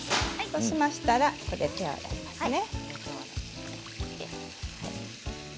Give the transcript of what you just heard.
そうしましたらここで手を洗いますね。